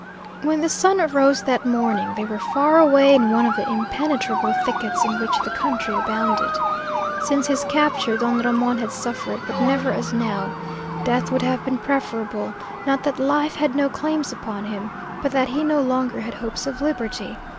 When the sun arose that morning, they were far away in one of the impenetrable thickets in which the country abounded. Since his capture Don Ramon had suffered, but never as now. Death would have been preferable, not that life had no claims upon him, but that he no longer had hopes of liberty.